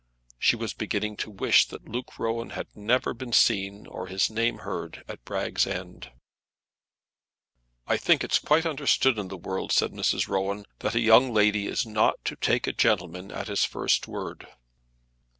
She was beginning to wish that Luke Rowan had never been seen, or his name heard, at Bragg's End. "I think it's quite understood in the world," said Mrs. Rowan, "that a young lady is not to take a gentleman at his first word."